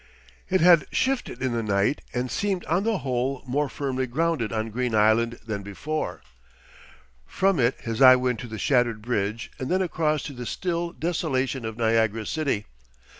It had shifted in the night and seemed on the whole more firmly grounded on Green Island than before. From it his eye went to the shattered bridge and then across to the still desolation of Niagara city.